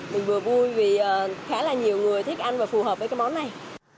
mình vừa vui vì khá là nhiều người thích ăn và phù hợp với cái món này